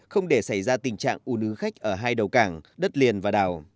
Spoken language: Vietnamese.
không để xảy ra tình trạng u nướng khách ở hai đầu cảng đất liền và đảo